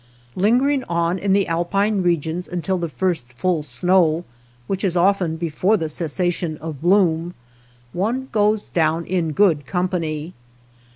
Lingering on in the alpine regions until the first full snow, which is often before the cessation of bloom, one goes down in good company.